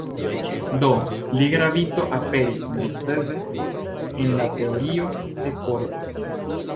Do, la gravito aperis "necese" en la teorio de kordoj.